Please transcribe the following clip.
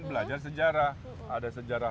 belajar sejarah ada sejarah